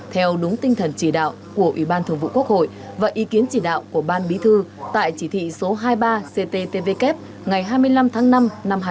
theo đúng tinh thần chỉ đạo của ủy ban thường vụ quốc hội và ý kiến chỉ đạo của ban bí thư tại chỉ thị số hai mươi ba cttvk ngày hai mươi năm tháng năm năm hai nghìn hai mươi